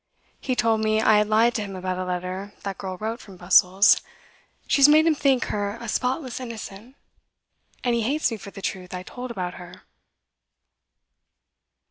He told me I had lied to him about a letter that girl wrote from Brussels; she has made him think her a spotless innocent, and he hates me for the truth I told about her.